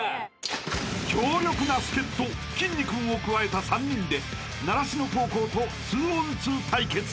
［強力な助っ人きんに君を加えた３人で習志野高校と２ｏｎ２対決］